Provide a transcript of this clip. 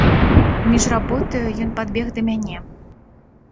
Між работаю ён падбег да мяне.